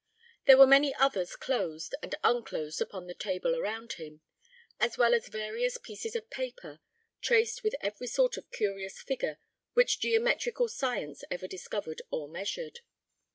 There were many others closed and unclosed upon the table around him, as well as various pieces of paper, traced with every sort of curious figure which geometrical science ever discovered or measured.